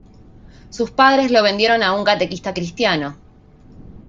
Sus padres lo vendieron a un catequista cristiano.